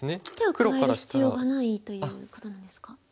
手をかえる必要がないということなんですか？